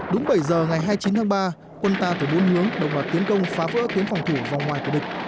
đúng bảy giờ ngày hai mươi chín tháng ba quân ta từ bốn hướng đồng loạt tiến công phá vỡ tuyến phòng thủ vòng ngoài của địch